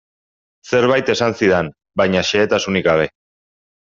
Zerbait esan zidan, baina xehetasunik gabe.